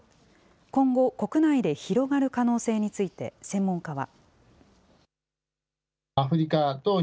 今後、国内で広がる可能性について専門家は。